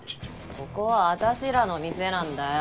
ここは私らの店なんだよ。